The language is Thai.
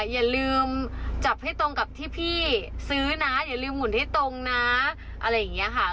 อย่าลืมจับให้ตรงกับที่พี่ซื้อนะอย่าลืมหุ่นให้ตรงนะอะไรอย่างนี้ค่ะ